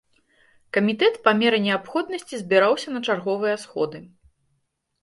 Камітэт па меры неабходнасці збіраўся на чарговыя сходы.